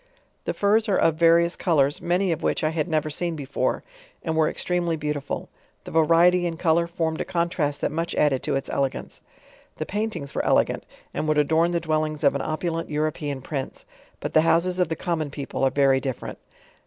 The furs are of various colors, many of whifeh I had never seen before, and were extremely beautiful;^ the variety in color formed a contrast that much added to its elegance. * The paintings were elegant, and would adorn the dwellings of an opulent European Prince. But the houses of the com mon people are very different.